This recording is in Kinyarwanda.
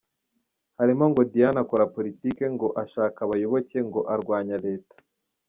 Halimo ngo Diane akora politike, ngo ashaka abayoboke, ngo arwanya leta, etc.